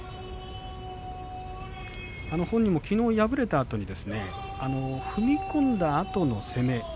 本人もきのう敗れたあとに踏み込んだあとの攻め